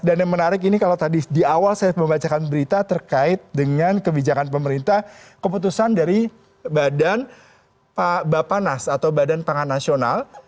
dan yang menarik ini kalau tadi di awal saya membacakan berita terkait dengan kebijakan pemerintah keputusan dari badan bapanas atau badan pangan nasional